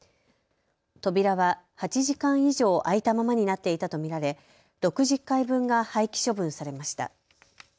扉は８時間以上開いたままになっていたと見られ６０回分が廃棄処分されました。